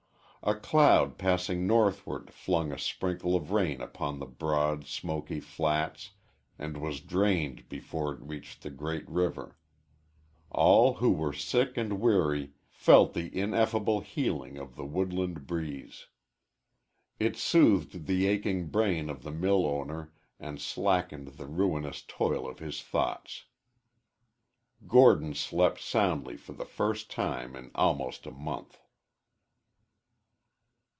A cloud passing northward flung a sprinkle of rain upon the broad, smoky flats and was drained before it reached the great river. All who were sick and weary felt the ineffable healing of the woodland breeze. It soothed the aching brain of the mill owner and slackened the ruinous toil of his thoughts. Gordon slept soundly for the first time in almost a month.